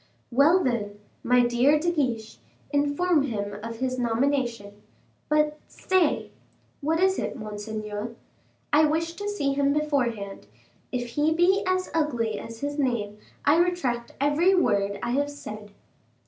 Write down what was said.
"Well, then, my dear De Guiche, inform him of his nomination. But, stay " "What is it, monseigneur?" "I wish to see him beforehand; if he be as ugly as his name, I retract every word I have said."